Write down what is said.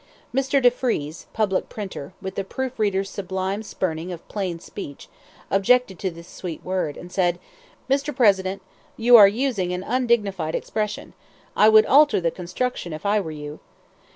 Mr. Defrees, public printer, with the proofreader's sublime spurning of plain speech, objected to this sweet word, and said: "Mr. President, you are using an undignified expression! I would alter the construction if I were you!"